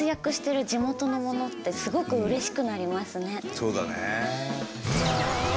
そうだね。